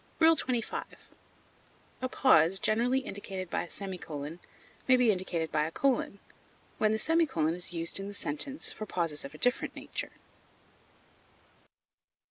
XXV. A pause generally indicated by a semicolon may be indicated by a colon, when the semicolon is used in the sentence for pauses of a different nature.